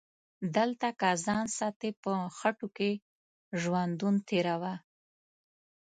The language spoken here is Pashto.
دلته که ځان ساتي په خټو کې ژوندون تیروه